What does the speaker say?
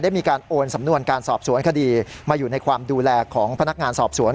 มีการโอนสำนวนการสอบสวนคดีมาอยู่ในความดูแลของพนักงานสอบสวน